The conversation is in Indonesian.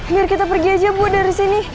biar kita pergi aja bu dari sini